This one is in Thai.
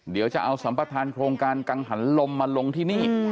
เดี๋ยวจะเอาสัมประธานโครงการกังหันลมมาลงที่นี่